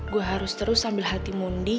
gue harus terus sambil hati mundi